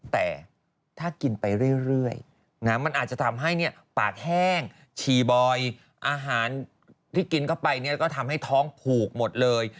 แต่ถ้ากินไปเรื่อยมันอาจจะทำให้ปากแห้งชีบอยอาหารที่กินเข้าไปเนี่ยก็ทำให้ท้องผูกหมดเลย